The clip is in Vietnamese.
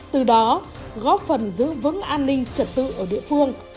từ đó góp phần giữ vững an ninh trật tự ở địa phương